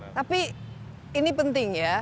tapi ini penting ya